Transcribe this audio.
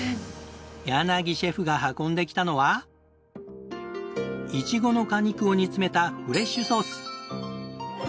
柳シェフが運んできたのはイチゴの果肉を煮詰めたフレッシュソース。